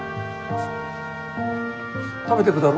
食べてくだろ？